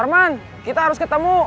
arman kita harus ketemu